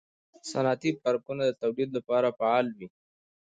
صنعتي پارکونه د تولید لپاره فعال وي.